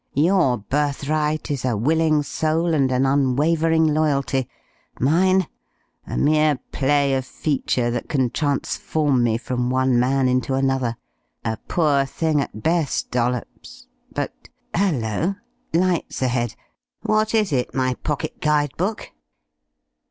"Your birthright is a willing soul and an unwavering loyalty. Mine? A mere play of feature that can transform me from one man into another. A poor thing at best, Dollops, but.... Hello! Lights ahead! What is it, my pocket guide book?"